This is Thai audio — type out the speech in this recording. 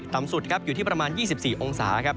ต่ำสุดครับอยู่ที่ประมาณ๒๔องศาครับ